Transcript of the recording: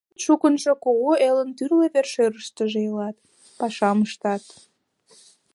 Кызыт шукынжо кугу элын тӱрлӧ вер-шӧрыштыжӧ илат, пашам ыштат.